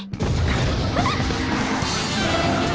あっ！